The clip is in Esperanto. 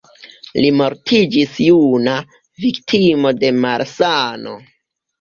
Li mortiĝis juna, viktimo de malsano.